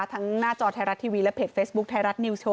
หน้าจอไทยรัฐทีวีและเพจเฟซบุ๊คไทยรัฐนิวโชว